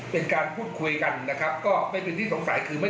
เป็นการพูดคุยกันนะครับก็ไม่เป็นที่สงสัยคือไม่